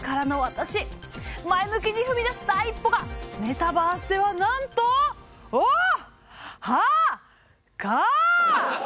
前向きに踏み出す第一歩がメタバースではなんとおはか！